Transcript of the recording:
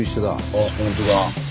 あっ本当だ。